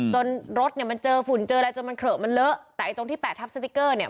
จนรถเจอฝุ่นเจออะไรจนมันเผลอมันเลอะแต่ตรงที่แปะทับสติ๊กเกอร์เนี่ย